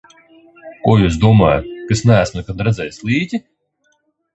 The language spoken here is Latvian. Ko jūs domājat, ka es neesmu nekad redzējis līķi?